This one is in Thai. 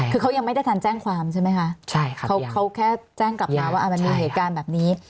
คือเขายังไม่ได้ทันแจ้งความใช่ไหมคะเขาแค่แจ้งกลับมาว่ามันมีเหตุการณ์แบบนี้